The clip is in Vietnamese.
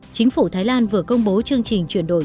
chính phủ thái lan vừa công bố chương trình chuyển đổi